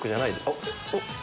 あっ！